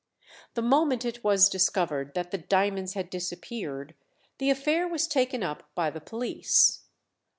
The moment it was discovered that the diamonds had disappeared, the affair was taken up by the police.